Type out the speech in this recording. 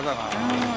うん。